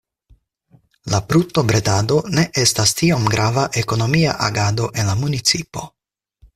La brutobredado ne estas tiom grava ekonomia agado en la municipo.